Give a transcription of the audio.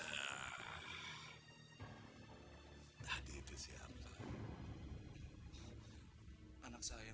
ah ah ah judulnya adek adek siapa